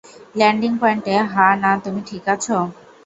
Landing point, -হা-না, তুমি ঠিক আছো?